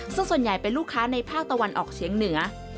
ซึ่งส่วนใหญ่เป็นลูกค้าในภาคตะวันออกเฉียงเหนือ